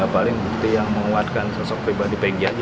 paling bukti yang menguatkan sosok viva di peggy aja